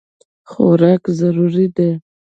خوراک ضروري دی.